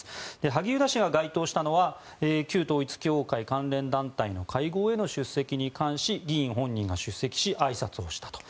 萩生田氏が該当したのは旧統一教会関連団体の会合への出席に関し議員本人が出席しあいさつをしたと。